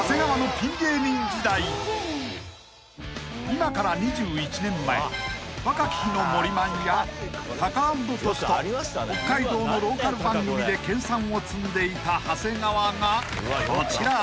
［今から２１年前若き日のモリマンやタカアンドトシと北海道のローカル番組で研さんを積んでいた長谷川がこちら］